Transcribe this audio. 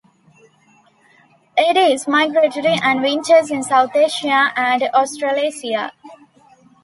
It is migratory and winters in south Asia and Australasia.